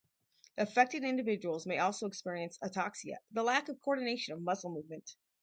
Affected individuals may also experience ataxia, the lack of coordination of muscle movements.